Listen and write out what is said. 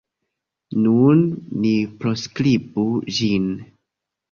Nun ni proskribu ĝin.